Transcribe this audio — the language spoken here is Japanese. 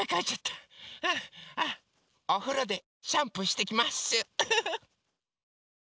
おふろでシャンプーしてきます。